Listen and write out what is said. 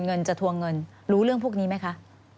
เงินจะทวงเงินรู้เรื่องพวกนี้ไหมคะ